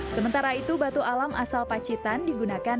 sementara itu batu alam asal pacitan digunakan